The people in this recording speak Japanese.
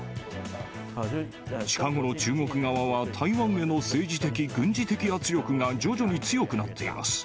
近頃中国側は、台湾への政治的軍事的圧力が徐々に強くなっています。